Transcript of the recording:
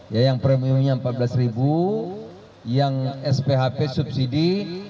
ya yang premiumnya rp empat belas yang sphp subsidi